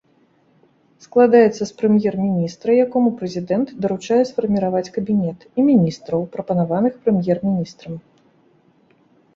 Складаецца з прэм'ер-міністра, якому прэзідэнт даручае сфарміраваць кабінет, і міністраў, прапанаваных прэм'ер-міністрам.